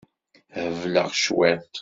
Hebleɣ cwiṭ.